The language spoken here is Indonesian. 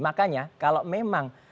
makanya kalau memang